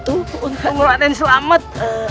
untung raden selamat